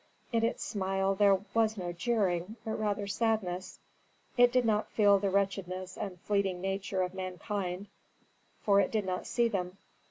In its smile there was no jeering, but rather sadness. It did not feel the wretchedness and fleeting nature of mankind, for it did not see them.